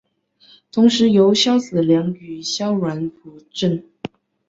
同时由萧子良与萧鸾辅政。